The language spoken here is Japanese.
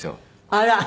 あら！